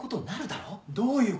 どういうことだよ？